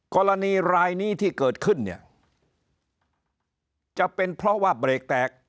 กรณีรายนี้ที่เกิดขึ้นเนี่ยจะเป็นเพราะว่าเบรกแตก